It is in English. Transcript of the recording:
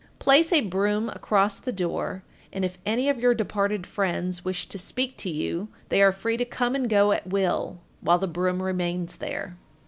_ 1474. Place a broom across the door, and if any of your departed friends wish to speak to you they are free to come and go at will while the broom remains there.